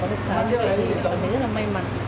có lực thái mình cảm thấy rất là may mắn